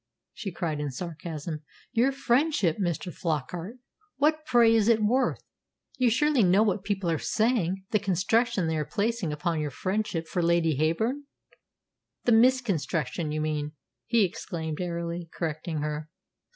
she cried, in sarcasm. "Your friendship, Mr. Flockart! What, pray, is it worth? You surely know what people are saying the construction they are placing upon your friendship for Lady Heyburn?" "The misconstruction, you mean," he exclaimed airily, correcting her.